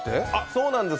そうなんです。